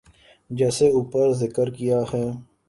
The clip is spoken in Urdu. جیسے اوپر ذکر کیا ہے۔